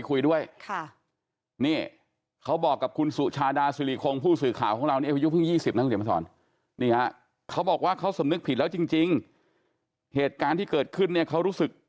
คืออยากว่าคุณไม่ยอมความครับ